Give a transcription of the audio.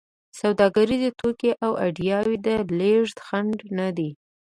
سوداګریز توکي او ایډیاوو د لېږد خنډ نه دی.